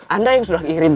anda yang sudah kirim